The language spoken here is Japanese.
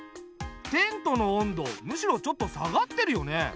テントの温度むしろちょっと下がってるよね。